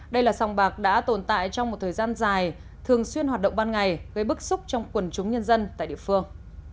đây là sòng bạc đã tồn tại trong một thời gian dài thường xuyên hoạt động ban ngày gây bức xúc trong quần chúng nhân dân tại địa phương